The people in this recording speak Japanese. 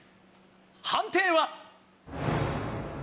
判定は？